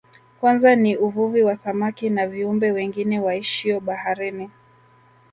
Kwanza ni uvuvi wa samaki na viumbe wengine waishio baharini